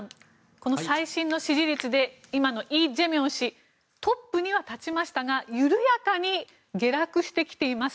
この最新の支持率で今のイ・ジェミョン氏トップには立ちましたが緩やかに下落してきています。